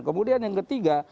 kemudian yang ketiga